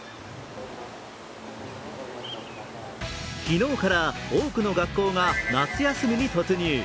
昨日から多くの学校が夏休みに突入。